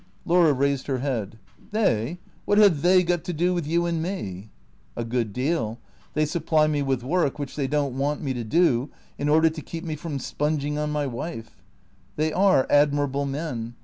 Laura raised her head. "They? What have they got to do with you and me ?"" A good deal. They supply me with work, which they don't want me to do, in order to keep me from sponging on my wife. They are admirable men.